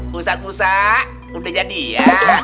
musa musa udah jadi ya